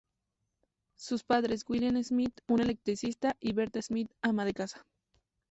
Sus padres William Smyth, un electricista, y Bertha Smith, ama de casa.